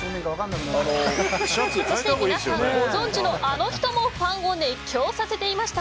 そして皆さんご存じのあの人もファンを熱狂させていました。